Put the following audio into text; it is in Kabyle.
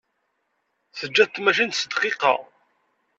Teǧǧa-t tmacint s dqiqa.